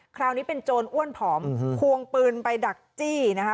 คราวนี้เป็นโจรอ้วนผอมควงปืนไปดักจี้นะคะ